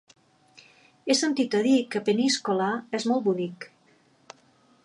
He sentit a dir que Peníscola és molt bonic.